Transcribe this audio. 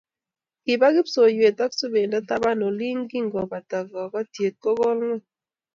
Kiba kipsoiywet ak subendo taban olin ye kingopata kokotiet kokol ngweny